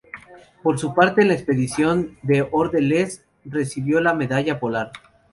Por su parte en la expedición de Orde-Lees recibió la Medalla Polar.